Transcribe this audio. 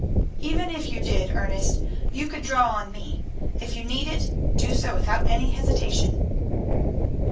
"Even if you did, Ernest, you could draw on me. If you need it, do so without any hesitation."